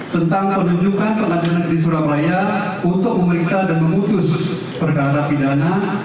tentang penunjukan pengadilan negeri surabaya untuk memeriksa dan memutus perkara pidana